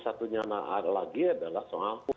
satunya lagi adalah soal